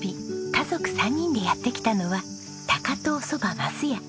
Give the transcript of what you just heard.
家族３人でやって来たのは高遠そばますや。